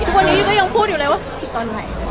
ทุกวันนี้ก็ยังพูดอยู่เลยว่าฉีดตอนไหน